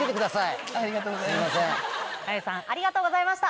まゆさんありがとうございました。